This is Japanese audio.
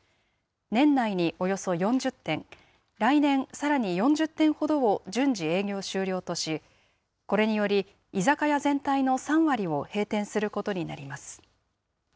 年内におよそ４０店、来年さらに４０店ほどを順次営業終了とし、これにより、居酒屋全体の３割を閉店することになります。